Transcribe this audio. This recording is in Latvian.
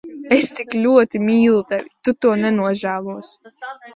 Es tik ļoti mīlu tevi. Tu to nenožēlosi.